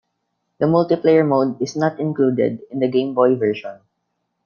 The multiplayer mode is not included in the Game Boy version.